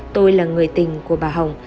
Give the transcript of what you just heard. tôi là người tình của bà hồng